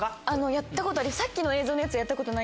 やったことある。